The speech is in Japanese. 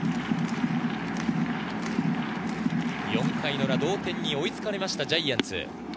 ４回の裏、同点に追いつかれたジャイアンツ。